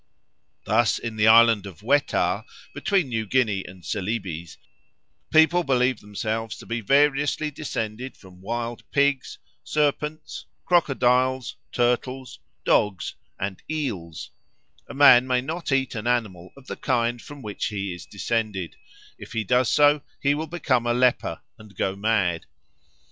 Thus in the island of Wetar (between New Guinea and Celebes) people believe themselves to be variously descended from wild pigs, serpents, crocodiles, turtles, dogs, and eels; a man may not eat an animal of the kind from which he is descended; if he does so, he will become a leper, and go mad.